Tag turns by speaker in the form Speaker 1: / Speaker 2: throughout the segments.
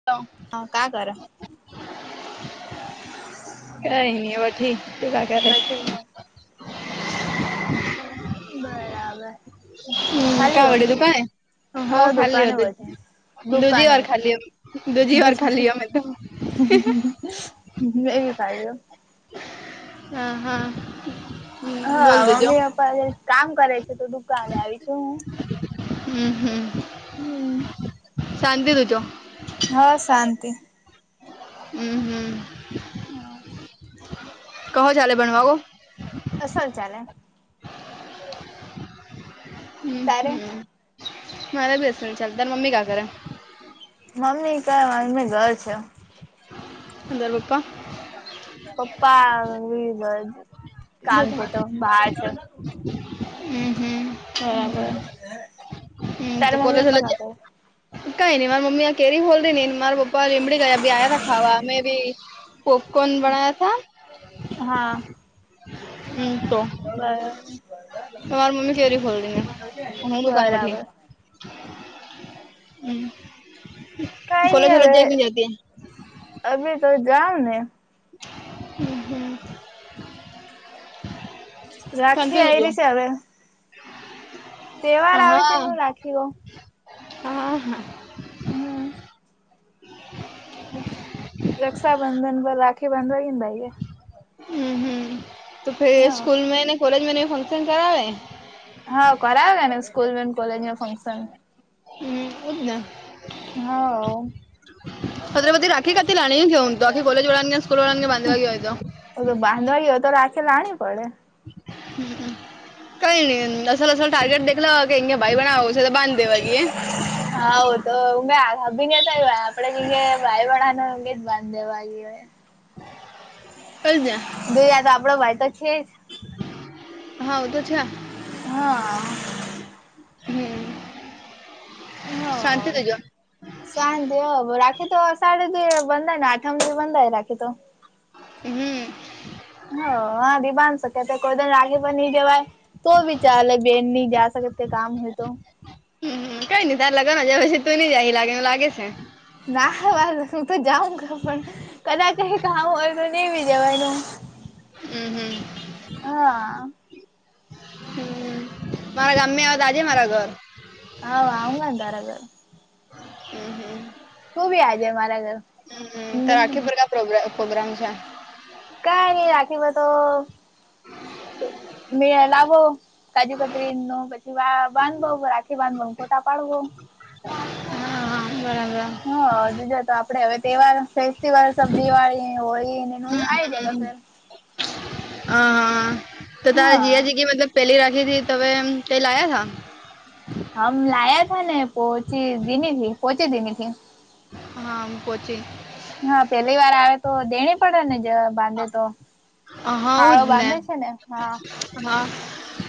Speaker 1: [unintelligible]
Speaker 2: હા કા કર.
Speaker 1: કઈ નહી વઠી તું કા કરે.
Speaker 2: બેઠેલો બરાબર.
Speaker 1: હમ
Speaker 2: ખાલી
Speaker 1: કા
Speaker 2: હો
Speaker 1: વડી દું ક હો
Speaker 2: હા
Speaker 1: ખાલી
Speaker 2: દુકાને
Speaker 1: હોતી.
Speaker 2: બેઠા
Speaker 1: દૂજી
Speaker 2: દુકાને
Speaker 1: વાર ખાલી દૂજી વાર
Speaker 2: બેઠા
Speaker 1: ખાલીમે તો.
Speaker 2: એવી કર એમ.
Speaker 1: હા હા. હમ
Speaker 2: હા
Speaker 1: બોલ દેજો
Speaker 2: મમ્મી પપ્પા કામ કરે છે તો દુકાને આવી છું હું.
Speaker 1: હમ હમ
Speaker 2: હમ
Speaker 1: શાંતિ તું છો.
Speaker 2: હા શાંતિ.
Speaker 1: હમ હમ.
Speaker 2: હા.
Speaker 1: કહો ચાલે બનવાવો.
Speaker 2: અસલ ચાલે.
Speaker 1: હમ
Speaker 2: તારે
Speaker 1: હમ મારા બી અસલ ચાલે તારી મમ્મી કા કરે.
Speaker 2: મમ્મી ક વામે ઘર છે.
Speaker 1: અન તારા પપ્પા.
Speaker 2: પપ્પા કામ છે તો બાર છે.
Speaker 1: હમ હમ. બરાબર હમ તો
Speaker 2: તારા
Speaker 1: કોલેજ
Speaker 2: મમ્મી પપ્પા કા કરે
Speaker 1: કઈ નહી મારા મમ્મી. કેરી ખોલ ર મારા પપ્પા લીમડી ગયા આયા ખાવા મેં બી પોપકોર્ન બનાયા તા.
Speaker 2: હા.
Speaker 1: હમ
Speaker 2: બરાબર.
Speaker 1: તો
Speaker 2: બરાબર. કઈ
Speaker 1: કોલેજ
Speaker 2: નઈ
Speaker 1: બોલેજ
Speaker 2: હવે
Speaker 1: જય કે નઈ જતી.
Speaker 2: અભી તો જાઓ ને.
Speaker 1: હમ હા. પચ
Speaker 2: રાખી
Speaker 1: દજો.
Speaker 2: આયરી છે હવે તહેવાર આવે છે ન રાખી ગઉ
Speaker 1: હા હા
Speaker 2: હમ રક્ષાબંધન પર રાખી બાંધવાય ને ભાઈ કે
Speaker 1: હમ હમ તો ફે
Speaker 2: હા
Speaker 1: સ્કૂલ મે ને કોલેજ મે નને ફંક્શન કરાવે
Speaker 2: હા કરાયો કેને સ્કૂલ કોલેજમાં ફંક્શન
Speaker 1: હ શદના
Speaker 2: હા
Speaker 1: ફ બધી રાખી કાતી લાણી કેવ હ તો આખી કોલે વાળ ને સ્કૂલ વાળા ને બાંધવા ગયો હોય તો
Speaker 2: તો બાંધવા ગયો હોય તો આખે લાણી પડે
Speaker 1: કઈ નહી અલ ટાર્ગેટ દેખલ કે એંગ ભાઈ બનાવ તો બંધેવાગ એ
Speaker 2: હા તો હું આાભીનેતા આપડે જ ભાઈ વડા ન અે જ અંધેવાવે
Speaker 1: કને
Speaker 2: ગઈ તો આપડો ભાઈ તો છે જ
Speaker 1: હા તો છે
Speaker 2: હા
Speaker 1: હમ શાંતિ તજ
Speaker 2: શાંતિ રાખી તો સાડાથી બંધાય ને આઠમ બંધાય રાખે તો
Speaker 1: હમ
Speaker 2: હ હા દીબ શક કોઈને રાગે પણ નહી જવાય તો વિચાર બેન નહી જા શકત કે કામ હોય તો
Speaker 1: હમ કઈ નઈ તાર લગ ના જ પછી તું નઈ જાય લાગે એ લાગે છે
Speaker 2: ના વા હું તો જાઉં ક પણ કદાચ ખામું હોય તો નહી બ જેવાનું
Speaker 1: હમ હમ
Speaker 2: હા
Speaker 1: મારા ગામમે આવવા દાજે મારા ઘર
Speaker 2: હ અંગ તારગ
Speaker 1: હમ હમ
Speaker 2: તું ભી આજે મારા ઘર
Speaker 1: હમ ત આખી બાગ પ્રોગ્રામ છે
Speaker 2: કઈ નઈ રાખીમાં તો મે લવો કાજુ કપરી ન પ વા બાંધવો રાખી બાંધવ ખોટા પાડવો
Speaker 1: હા હા બરાબર
Speaker 2: હા હુ જ તો આપડે હવે તહેવાર ફેસ્ટિવલ સ દિવાળી હોળી એ
Speaker 1: હમ
Speaker 2: આ જાયેર
Speaker 1: [inaudible] હ હા તો તારા
Speaker 2: હા
Speaker 1: જીયા જગી મતલબ પેલી રાખીથી તમે કઈ લાયા તા
Speaker 2: હમ લાયા થા ને પહચી દની થી પહચી દિની થી
Speaker 1: હા પછી
Speaker 2: હા પેલી વાર આવે તો દેણી પડે ને બાંધે તો
Speaker 1: હ જ
Speaker 2: હાળો
Speaker 1: ને
Speaker 2: બાંધે છે હા
Speaker 1: હા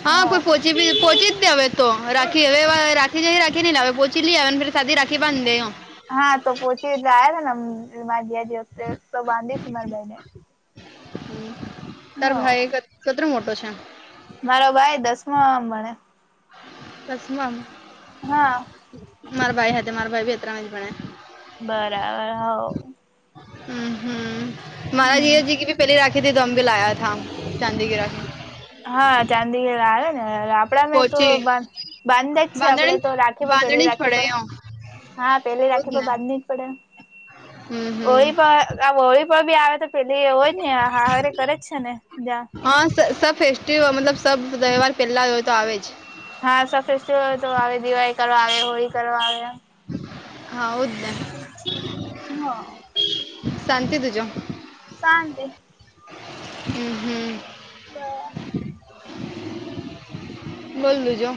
Speaker 1: હા કોઈ પોચી પોોચી જ દે હવે તો રાખી હવે રાખી જ રાખીને હ પોહચી લે આવેને સાદી રાખી બાંધ દે
Speaker 2: હા તો પોચી્યા હતા ને મારી જ જે તો બાંધી મારી ભાઈને
Speaker 1: તાર ભાઈ
Speaker 2: હ
Speaker 1: કટરો મોટો છે
Speaker 2: મારો ભાઈ દસમા આમ ભણે
Speaker 1: દસમાંમ
Speaker 2: નાા
Speaker 1: મારા ભાઈ સાથે મારા ભાઈ ભીતરામાં જ ભણે
Speaker 2: બરાબર હ
Speaker 1: હમ હમ
Speaker 2: હમ
Speaker 1: મારાજીજી કે ભી પેલી રાખી. કતે દમગ લાયા થ ચંદીગ્રહેના.
Speaker 2: હા ચાંદીગઢ આવે. હેલા આપડા મેં તો બા બાંધા જ છે આપડે તો રાખી પર પેલી
Speaker 1: જ
Speaker 2: રાખી
Speaker 1: પડે
Speaker 2: પર.
Speaker 1: એમ
Speaker 2: હા પેલી રાખી
Speaker 1: એવું
Speaker 2: પર
Speaker 1: ને
Speaker 2: બાંધ ન જ પડે
Speaker 1: હમ
Speaker 2: ઓય
Speaker 1: હમ
Speaker 2: પણ. આ હોળી પણ બી આવે તો પેલી એ હોય જ ને હારે કરે જ છે ને જં.
Speaker 1: હા સબ ફેસ્ટિવલ મતલબ સ તહેવાર પેલા હોય તો આવે છે.
Speaker 2: હા સ ફેસ્ટિવલ તો આવે દિવાળી કરવા આવે હોળી કરવા આવે.
Speaker 1: હાવ જને
Speaker 2: હ
Speaker 1: શાંતિ થી જમ.
Speaker 2: શાંતિ.
Speaker 1: હમ હમ.
Speaker 2: બરાબર.
Speaker 1: બોલ લેજો.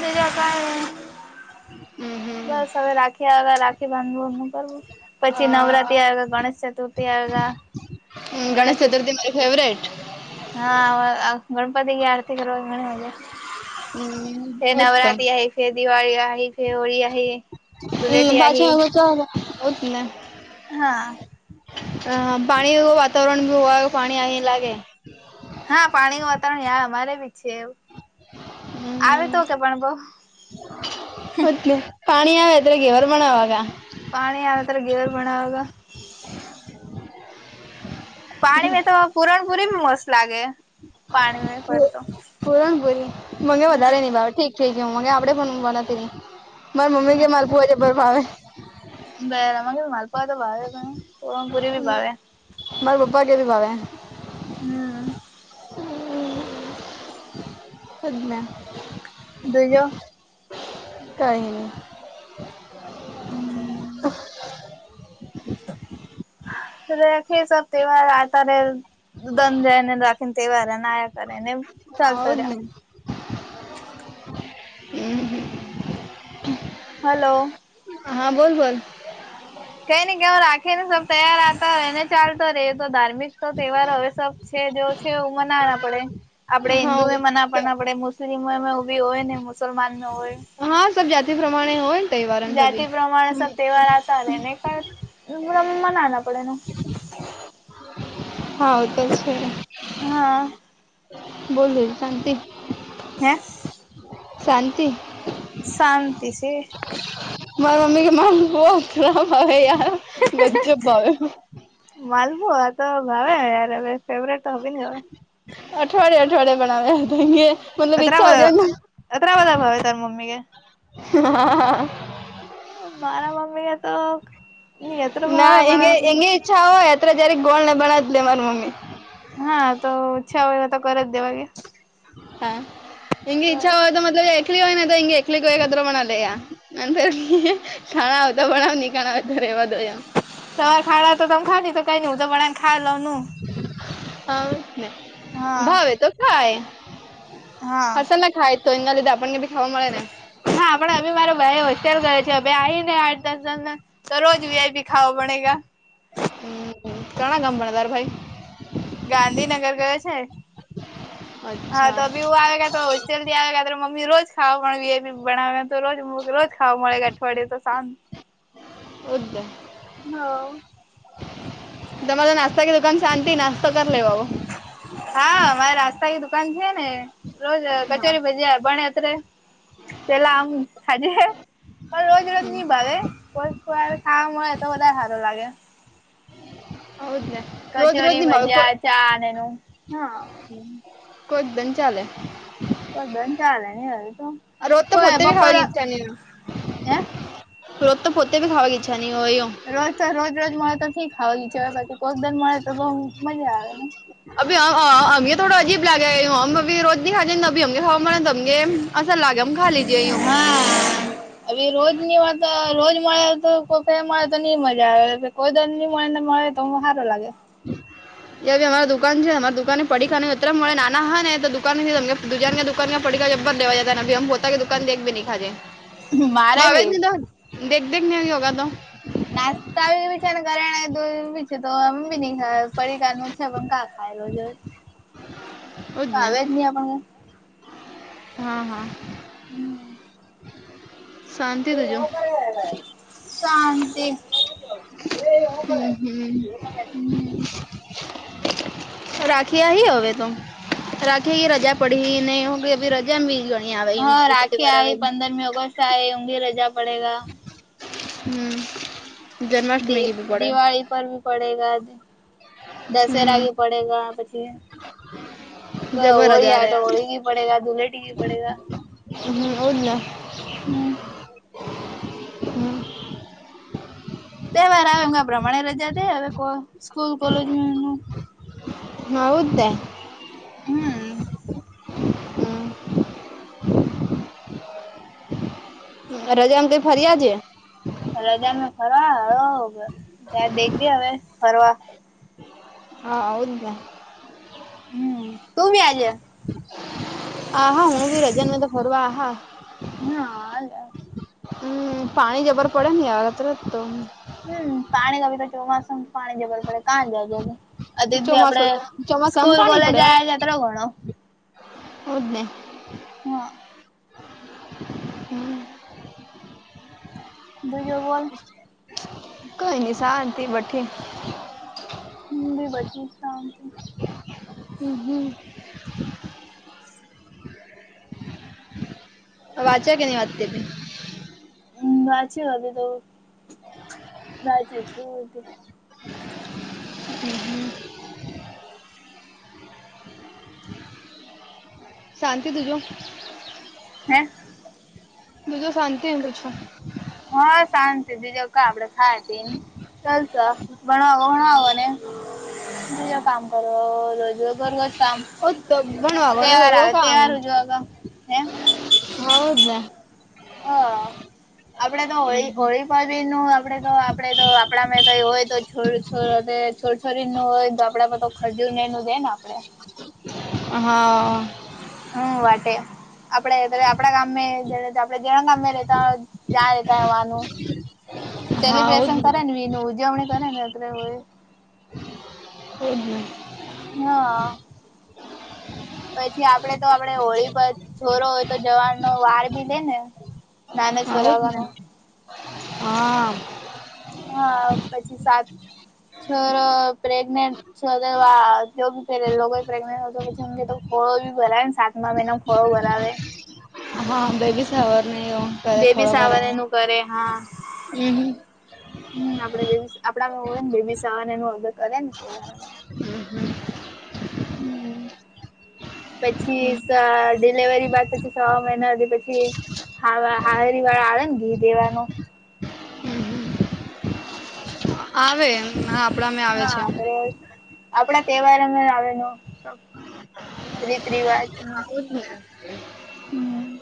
Speaker 2: બજ ક
Speaker 1: હમ હમ
Speaker 2: બસ હવે રાખી હવે રાખ. તેવા કરવું
Speaker 1: અ,
Speaker 2: પછી નવરાત્રી આવે ગણેશ ચતુર્થી આવે.
Speaker 1: ગણેશ ચતુર્થી મારી ફેવરેટ.
Speaker 2: હા ગણપતિ કે આરતી કરવા ની આજે.
Speaker 1: હમ
Speaker 2: ફે
Speaker 1: જ તો
Speaker 2: નવરાત્રી આ ફેર દિવાળી આ ફેર હોળી આઈ.
Speaker 1: હમ
Speaker 2: ધુલેટી
Speaker 1: પાછા
Speaker 2: આઈ
Speaker 1: હલુ જા ને.
Speaker 2: હા.
Speaker 1: હ પાણી વાતાવરણ ભી હો પાણી અહીં લાગે.
Speaker 2: હા પાણી નું વાતાવરણ ય અમારે બી છે એવું આવે તો કે પણ બઉ.
Speaker 1: મતલે પાણી આવે અયેર બનાવા.
Speaker 2: પાણી આવે ત્યારે ઘેર બનાવવા. પાણી મે તો પુરણપુરીમાં મસ્ત લાગે. પાણી મે પડતો
Speaker 1: પુરણપુરી મને વધારે ની
Speaker 2: હમ
Speaker 1: ભાવે ઠીક. ઠીક મને આપડે પણ હું બનાતીની મારા મમ્મી કે માર પુવા જબર ભાવે.
Speaker 2: બે રવા કે મલપા તો વાવે ભ પરમપુરી ભ વાવે.
Speaker 1: મારે પપા કેવી ભાવે.
Speaker 2: હમ
Speaker 1: એમને.
Speaker 2: દઈ લો.
Speaker 1: કાઈ નહી.
Speaker 2: હમ. રાખે સ તહેવાર આ ત્યારે દનંધાય ને રાખી ને તહેવારને આ કરે ને એમ.
Speaker 1: હદ નને હમ હમ [inaudible]
Speaker 2: હલો.
Speaker 1: હા બોલ બોલ.
Speaker 2: કઈ ને કવ રાખે ને સ તૈયાર આવતા હોય એને ચાલતો રે એ તો ધાર્મિક તો તહેવાર હવે સબ. છે જે છે એ મનાવવાના પડે. આપડે
Speaker 1: હા
Speaker 2: હિન્દુ એમ ના પણ આપડે મુસ્લિમો ઉભી હોય ને મુસલમાન ન હોય.
Speaker 1: હા સબ જાતિ પ્રમાણે હોય. તહેવારન
Speaker 2: જાતિ
Speaker 1: સભી
Speaker 2: પ્રમાણે સબ તહેવાર આવતા એને કમ મના ના પડે એનું.
Speaker 1: હા તો છે
Speaker 2: હા
Speaker 1: બોલ શાંત [unintelligible]
Speaker 2: હે.
Speaker 1: શાંતિ.
Speaker 2: શાંતિ છે.
Speaker 1: મારા મમ્મી કે માર બ ખરાબ આવે યાર ગજ્જબ ભાવે.
Speaker 2: માલકુવા આ તો ભાવે યાર હવે ફેવરેટ તો હોવી ને હવે.
Speaker 1: અઠવાડે અઠવાડે બનાવે્યાે મતલબ
Speaker 2: અતરા
Speaker 1: ઈચ્છા હો
Speaker 2: બધા
Speaker 1: જના.
Speaker 2: અતરા બધા ભાવે તાર મમ્મી કે.
Speaker 1: હા હા.
Speaker 2: મારા મમ્મી એ.
Speaker 1: ના એ
Speaker 2: પણ
Speaker 1: એની ઈચ્છા હોય અત્ર જય્યારે ગોળ ને બનાતે મારી મમ્મી
Speaker 2: હા તો ઓછા હોય તો કર જ દેવાગે
Speaker 1: હા એમની ઈચ્છા હોય તો મતલબ એકલી હોય ને તો હંગ એકલીક વદ્ર પણ અ લ્યા નર ખાણા આવતા પણણાવ ની ખાણા તો રહેેવા દો એમ [inaudible]
Speaker 2: તમાર ખાવા તો તમે ખા કઈ ન હું તો બનાવિને ખા લઉનું
Speaker 1: હા ને
Speaker 2: હા.
Speaker 1: ભાવે તો ખાય
Speaker 2: હા
Speaker 1: હસ ના ખાય તો એ ના લીધે આપણને ભી ખાવા મળે ને.
Speaker 2: હા પણ હવે મારો ભાઈ હોસ્ટેલ ગયો છે હવે આવી ને આઠ દસ જણને. દરરોજ વિ આઈ પી ખાઓ બનેગા.
Speaker 1: કણા ગામમા ભણે તારો ભાઈ.
Speaker 2: ગાંધીનગર ગયો છે. હા
Speaker 1: અચ્છા
Speaker 2: તો બી આવે ગે તો. જલ્દી આવે કત્રરે મમ્મી રોજ ખાવવા વી આઈ પી બનાવે તો રોજ મ રોજ ખાવા મળે એક અઠવાડિયા તો સાત
Speaker 1: ઉદ
Speaker 2: હ.
Speaker 1: તમારે નાસ્તા કે દુકાન શાંતિ નાસ્તો કર લેવો.
Speaker 2: હા મારે નાસ્તા ક દુકાન છે ને રોજ
Speaker 1: હા
Speaker 2: કચોરી ભજીયા બણે અત્રે. પેલા આ હાજે પણ રોજ
Speaker 1: હમ
Speaker 2: રોજની ભાવ કોઈક વાર હા મળે તો વઘારે હારુ લાગે.
Speaker 1: આવુજ ને રોજ રોજ નિ ભાવે.
Speaker 2: ચાને એનું હા.
Speaker 1: કોક દિન ચાલે.
Speaker 2: કોક દન ચાલે [inaudible]
Speaker 1: રોજ તો
Speaker 2: કોઈ
Speaker 1: પોતે ખાવા
Speaker 2: બપોર
Speaker 1: ની ઈચ્છા ની હોય.
Speaker 2: હે
Speaker 1: રોજ તો પોતે ભી ખાવાની ઈચ્છા નહી હોયયો.
Speaker 2: રોજ તો રોજ રોજ મળે તો ઠીક ખાવા ની ઈચ્છા તો બાકી કોક દિ મળે તો બઉ મજા આવે.
Speaker 1: અભી અ અ અ અમે થોડો અજીબ લાગે [unintelligible] [unintelligible]
Speaker 2: હા હવે રોજની વાત રોજ મળે તો કોકે મળે તો ની મજા આવે કોઈ દન ની મળે ને મળે તો હારો લાગે.
Speaker 1: [unintelligible] જેબી અમારા દુકાન છે ને અમારા દુકાનને પડીખાને અતરંમ મળે નાના હ ને તો દુકાન [unintelligible] દુકાન ના પડીકા જ્બર લેવા જતા ના અભી હમ પોતા કે દુાકાન મા એક ભી ની ખાઘી.
Speaker 2: મારે બી
Speaker 1: ભાવેજની તો દેખ દેખને ની હોગા તો
Speaker 2: નાસ્તા [unintelligible] તુતો હમ બી ની ખાય પડીકા નુ છે હમ કા ખાય રોજ રોજ
Speaker 1: ઓજ ને
Speaker 2: ભાવે જ ની આપણને
Speaker 1: હા હા.
Speaker 2: હમ્મ.
Speaker 1: શાંતિ
Speaker 2: તે
Speaker 1: તુજો
Speaker 2: હું કરે હે શાંતિ.
Speaker 1: હમ્મ હમ્મ.
Speaker 2: હમ
Speaker 1: [unintelligible] રાખી આવી હવે તો રાખી કી રજા પડી ને હું ને અભી રજ. જેમ બી ગણી આવે ઈ
Speaker 2: હા
Speaker 1: ઈતો
Speaker 2: રાખી
Speaker 1: તહેવાર આવે
Speaker 2: આવી પંદરમી ઓગસ્ટ ચાય રજા પડેગા.
Speaker 1: હમ્મ.
Speaker 2: દિ દિવાળી પણ પડેગા. દશેરા
Speaker 1: હમ
Speaker 2: ભી પડેગા પછી ગ
Speaker 1: જબર
Speaker 2: હોળી
Speaker 1: રજા
Speaker 2: હે
Speaker 1: રે
Speaker 2: તો હોળી પડેગા ઘુલેટી ભી પડેગા.
Speaker 1: હમ્મ ઓજ ને.
Speaker 2: હમ
Speaker 1: હમ
Speaker 2: તહેવાર આવે એના પ્રમાણે રજા દે હવે કો સ્કૂલ કોલેજમ્મ.
Speaker 1: [unintelligible] હુ આવું તે.
Speaker 2: હમ્મ.
Speaker 1: હમ રજામાં કંઈ ફરી આવજે.
Speaker 2: રજામાં ફરવા હોવ, ત્યાર દેખીએ ફરવા.
Speaker 1: હા આવું જ ને
Speaker 2: હમ તું ભી આજા
Speaker 1: આહા હું ભી રજા ને તો ફરવા આહા
Speaker 2: હા આલે
Speaker 1: હમ્મ પાણી જબર પડે ને અતરત તો
Speaker 2: હમ્મ પાણી [unintelligible] તો ચોમાસું પાણી જબર પડે કાં [unintelligible] [unintelligible] આપડે
Speaker 1: ચોમાસું ચોમાસામાં
Speaker 2: સ્કૂલ કોલેજ જાય જત્રો ઘણો
Speaker 1: ઓદને.
Speaker 2: હ.
Speaker 1: હમ
Speaker 2: બીજુ બોલ?
Speaker 1: કઈ ની શાંતિ બઠી
Speaker 2: હુ બી બઠી શાંતિ.
Speaker 1: હમ્મ હમ્મ. વાચે કે ની વાંચતી હતી.?
Speaker 2: હમ્મ વાંચ્યો હવે તો વાંચે છું.
Speaker 1: [inaudible] હમહમ શાંતિ તુજો.
Speaker 2: હે
Speaker 1: દુંજ શનતી હ પુછું.
Speaker 2: હા શાંતિ બીજો ક આપડે ખાય હતી એમ. ચાલશ ભણો ઘણ આવો ને બીજા કામ કરો રોજ રગજ કામ
Speaker 1: ઓ ભણવા કોને
Speaker 2: તહેવાર
Speaker 1: કરવો
Speaker 2: આવે
Speaker 1: કામ
Speaker 2: તહેવાર ઉ જોગ હે.?
Speaker 1: હઉદ ને
Speaker 2: આપડે તો હોળી હોળી પાછી નું આપડે તો, આપડે તો આપણા મે કઈ હોય તો છોડ છોડ છોરછોરી નું હોય આપડે ખજુર ને એનું દે ને આપડે.
Speaker 1: હા
Speaker 2: હ વાટેે આપડે તે આપડા ગામે આપણે જણા ગામે રેતા હોય જ્યાં રેતા હોવાનું. સેલિબ્રેશન કરે ને એ ન ઉજવણી કરે ને અત્રેય ઓવે.
Speaker 1: હમ હમ
Speaker 2: હા પછી આપડે તો આપડે હોળી પ છોરો હોય તો જવાર નો વાર બી લે ને નાના
Speaker 1: હાઉદ ને
Speaker 2: છોરાવાનું.?
Speaker 1: હા
Speaker 2: હા પછી સાત છોરો પ્રેગ્નેન્ટ છો વા જો બી પે લોકો પ્રેગનેન્ટ હોય તો પછીમ તો ખોળો બી ભરાવે ને સાતમા મહિનામાં ખોળો ભરાવે.
Speaker 1: હા બેબીસવાર ને એવું.
Speaker 2: બેબી સાવને એ નું કરે હા.
Speaker 1: હમ
Speaker 2: હમ આપડે બેબી આપડા હોય ને બેબી સવા એ અર્ગર કરે ને તહેવારમાં?
Speaker 1: હમ હમ
Speaker 2: હમ પછી ડિલિવરી બા પછી સવા મહિના પછી હ હાહરી વાળા આવે ને ઘી દેવાનું.
Speaker 1: આવે આપણામે આવે છે.
Speaker 2: એ આપણા તહેવારમાં આવે ન રીત રિવાજ
Speaker 1: હ
Speaker 2: હમ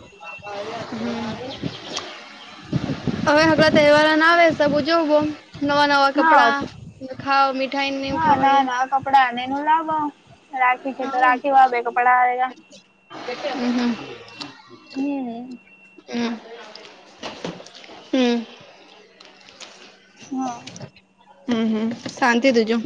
Speaker 1: હવે હળ તહેવાર ના આવે ત બ જોવું બો નવા નવા
Speaker 2: હા
Speaker 1: કપડા ખાાવ મીઠાઈ નનેવ ખાવાગ
Speaker 2: કપડાને એ ન લાભ રાખી છે તો રાખી વાબે કપડા
Speaker 1: હમ હમ હમ હમ્મ
Speaker 2: હા
Speaker 1: હમ હમ શાંતિ તીજું